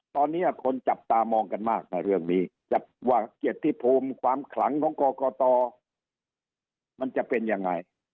ตอนนี้คนจับตามองกันมากนะเรื่องนี้ว่าเกียรติภูมิความขลังของกรกตมันจะเป็นยังไง